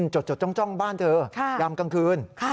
จดจ้องบ้านเธอยามกลางคืน